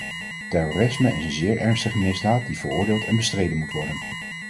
Terrorisme is een zeer ernstige misdaad die veroordeeld en bestreden moet worden.